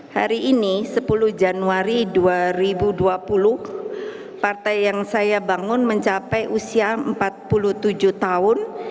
hari ini sepuluh januari dua ribu dua puluh partai yang saya bangun mencapai usia empat puluh tujuh tahun